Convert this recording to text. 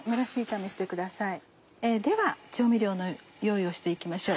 では調味料の用意をして行きましょう。